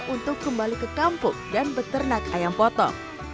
untuk kembali ke kampung dan beternak ayam potong